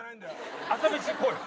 朝飯行こうよ！